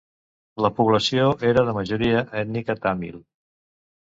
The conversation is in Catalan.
La població era de majoria ètnica tàmil.